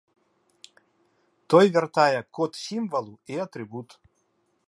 Той вяртае код сімвалу і атрыбут.